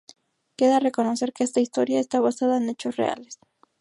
Queda reconocer que esta historia esta basada en hechos reales.